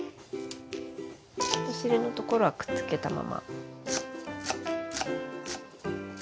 お尻のところはくっつけたまま。